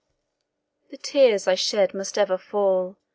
"The tears I shed must ever fall.